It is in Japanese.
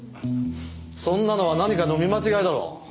そんなのは何かの見間違いだろう。